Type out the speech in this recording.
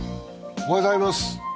おはようございます。